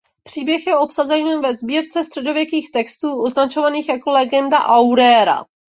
Příběh je obsažen ve sbírce středověkých textů označovaných jako Legenda aurea.